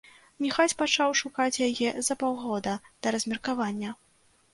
Міхась пачаў шукаць яе за паўгода да размеркавання.